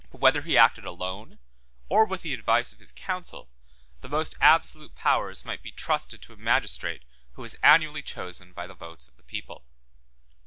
But whether he acted alone, or with the advice of his council, the most absolute powers might be trusted to a magistrate who was annually chosen by the votes of the people.